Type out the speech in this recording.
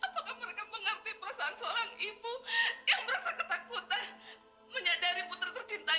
tapi bagaimana dengan mereka yang di luar sana